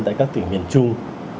tại các tỉnh miền trung